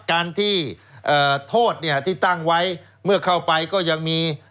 การที่โทษเนี่ยที่ตั้งไว้เมื่อเข้าไปก็ยังมี